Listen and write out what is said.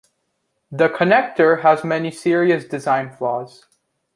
The Connector has many serious design flaws.